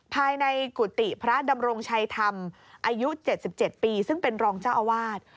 ภายในกุฏิพระดำรงชัยธรรมอายุ๗๗ปีซึ่งเป็นรองเจ้าอาวาส